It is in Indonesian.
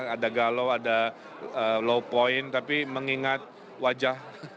ada galau ada low point tapi mengingat wajah